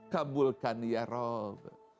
kabulkan ya rab